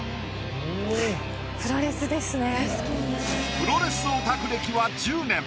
プロレスオタク歴は１０年。